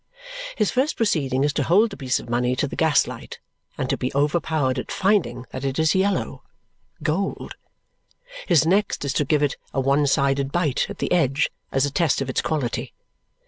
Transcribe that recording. His first proceeding is to hold the piece of money to the gas light and to be overpowered at finding that it is yellow gold. His next is to give it a one sided bite at the edge as a test of its quality.